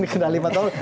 dikenain lima tahun